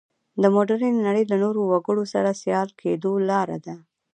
د مډرنې نړۍ له نورو وګړو سره سیال کېدو لاره ده.